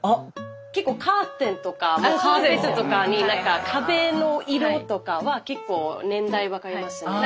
結構カーテンとかカーペットとかに壁の色とかは結構年代分かれますね。